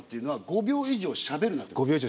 「５秒以上しゃべるな」と。